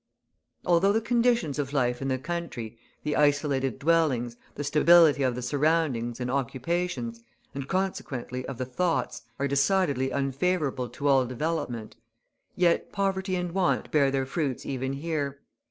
Although the conditions of life in the country, the isolated dwellings, the stability of the surroundings and occupations, and consequently of the thoughts, are decidedly unfavourable to all development, yet poverty and want bear their fruits even here.